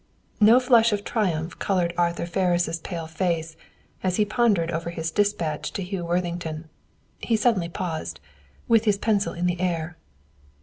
No flush of triumph colored Arthur Ferris' pale face as he pondered over his dispatch to Hugh Worthington. He suddenly paused, with his pencil in the air.